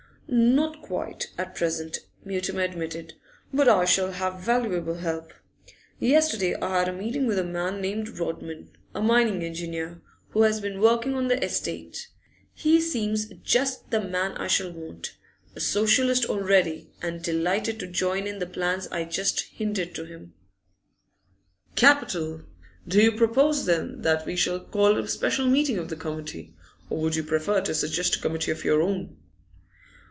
'Not quite, at present,' Mutimer admitted, 'but I shall have valuable help. Yesterday I had a meeting with a man named Rodman, a mining engineer, who has been working on the estate. He seems just the man I shall want; a Socialist already, and delighted to join in the plans I just hinted to him.' 'Capital! Do you propose, then, that we shall call a special meeting of the Committee? Or would you prefer to suggest a committee of your own?